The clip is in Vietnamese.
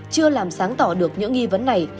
chưa làm sáng tỏ được những nghi vấn này